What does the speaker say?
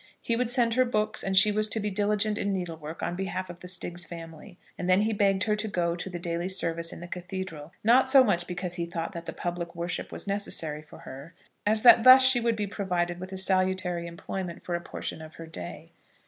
He would send her books, and she was to be diligent in needle work on behalf of the Stiggs family. And then he begged her to go to the daily service in the cathedral, not so much because he thought that the public worship was necessary for her, as that thus she would be provided with a salutary employment for a portion of her day.